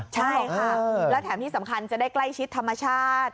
ใช่ค่ะแล้วแถมที่สำคัญจะได้ใกล้ชิดธรรมชาติ